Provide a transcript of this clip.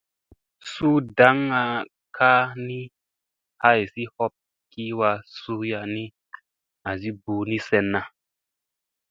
Suu daŋga kaa ni, haysi hop kiwa suya nii, asi ɓuuni senna.